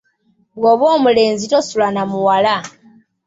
Bw’oba omulenzi tosula na muwala.